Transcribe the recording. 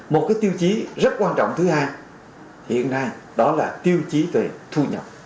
một cái tiêu chí rất quan trọng thứ hai hiện nay đó là tiêu chí tuệ